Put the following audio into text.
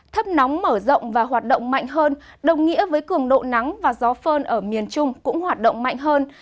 thấp nóng mở rộng và hoạt động mạnh hơn đồng nghĩa với cường độ nắng và gió phơn ở miền trung cũng hoạt động mạnh hơn